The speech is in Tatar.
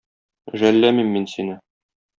Жәлләмим мин сине.